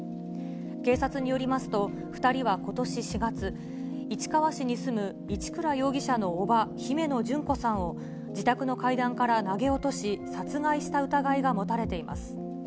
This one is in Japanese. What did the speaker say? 警察によりますと、２人はことし４月、市川市に住む一倉容疑者の伯母、姫野旬子さんを、自宅の階段から投げ落とし、殺害した疑いが持たれています。